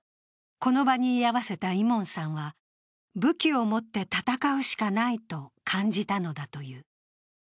この場に居合わせたイモンさんは武器を持って戦うしかないと感じたのだという。